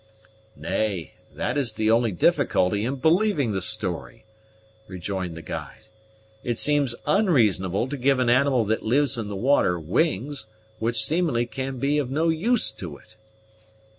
"Nay, that is the only difficulty in believing the story," rejoined the guide. "It seems unreasonable to give an animal that lives in the water wings, which seemingly can be of no use to it."